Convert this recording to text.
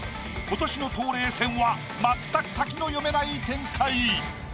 今年の冬麗戦は全く先の読めない展開。